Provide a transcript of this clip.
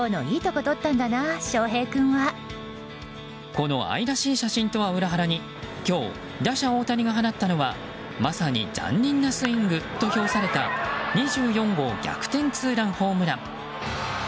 この愛らしい写真とは裏腹に今日、打者・大谷が放ったのはまさに残忍なスイングと評された２４号逆転ツーランホームラン。